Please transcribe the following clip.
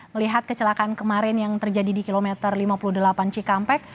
melihat kecelakaan kemarin yang terjadi di kilometer lima puluh delapan cikampek